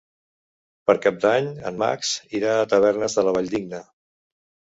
Per Cap d'Any en Max irà a Tavernes de la Valldigna.